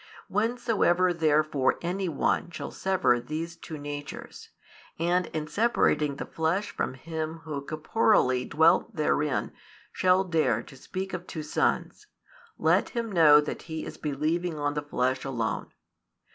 Whensoever therefore any one shall sever these two natures, and in separating the flesh from Him Who corporeally dwelt therein shall dare to speak of two sons, let him know that he is believing on the flesh alone.